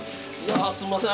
あっすいません。